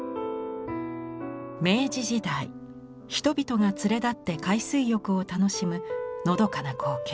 明治時代人々が連れ立って海水浴を楽しむのどかな光景。